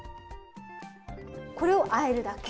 これをあえるだけ？